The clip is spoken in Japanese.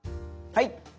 はい。